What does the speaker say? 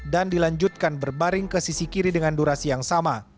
dan dilanjutkan berbaring ke sisi kiri dengan durasi yang sama